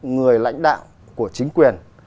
người lãnh đạo của chính quyền